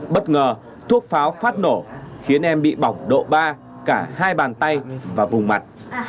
bất ngờ thuốc pháo phát nổ khiến em bị bỏng độ ba cả hai bàn tay và vùng mặt